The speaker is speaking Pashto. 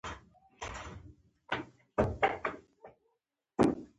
د مقابلې لپاره دا ضروري وبلله شوه.